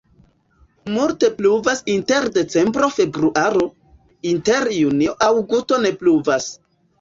Multe pluvas inter decembro-februaro, inter julio-aŭgusto ne pluvas.